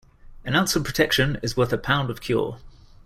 An ounce of protection is worth a pound of cure.